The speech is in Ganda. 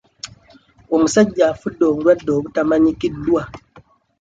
Omusajja afudde obulwadde obutamanyikiddwa.